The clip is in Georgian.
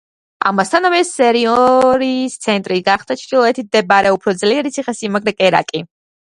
ამასთანავე სენიორიის ცენტრი გახდა, ჩრდილოეთით მდებარე, უფრო ძლიერი ციხესიმაგრე კერაკი.